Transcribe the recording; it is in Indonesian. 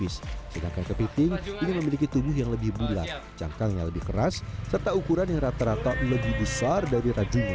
sedangkan kepiting ini memiliki tubuh yang lebih bulat cangkang yang lebih keras serta ukuran yang rata rata lebih besar dari rajunya